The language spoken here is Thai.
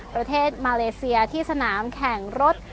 ประเทศมาเลเซียที่สนามแข่งรถ